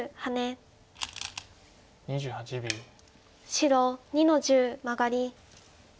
白２の十マガリ。